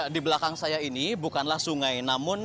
di belakang saya ini bukanlah sungai namun